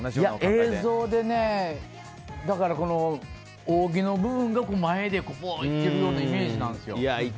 映像で、だから扇の部分が前で行ってるようなイメージなんですよ。